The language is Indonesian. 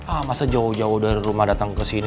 ah masa jauh jauh dari rumah datang ke sini